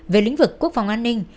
về lĩnh vực quốc phòng an ninh